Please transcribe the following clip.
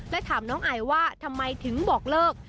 และถามน้องไอว่าทำไมถึงบอกเลิก